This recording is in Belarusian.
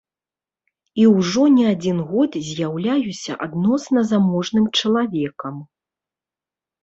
І ўжо не адзін год з'яўляюся адносна заможным чалавекам.